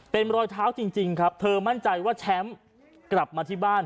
เป็นรอยเท้าจริงครับเธอมั่นใจว่าแชมป์กลับมาที่บ้าน